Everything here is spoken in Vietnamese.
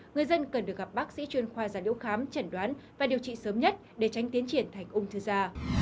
người dân cần được gặp bác sĩ chuyên khoa gia liễu khám chẩn đoán và điều trị sớm nhất để tránh tiến triển thành ung thư da